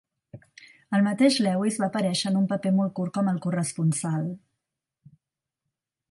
El mateix Lewis va aparèixer en un paper molt curt com a "El Corresponsal".